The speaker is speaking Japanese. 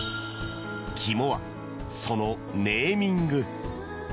肝は、そのネーミング。